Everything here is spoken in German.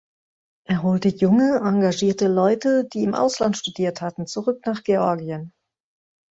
Er holte junge engagierte Leute, die im Ausland studiert hatten, zurück nach Georgien.